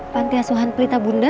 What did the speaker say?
pantiasuhan pelita bunda